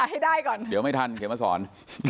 ให้ได้ก่อนเดี๋ยวไม่ทันเขียนมาสอน